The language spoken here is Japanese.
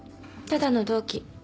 ただの同期。